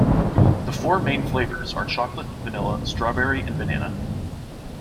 The four main flavors are chocolate, vanilla, strawberry, and banana.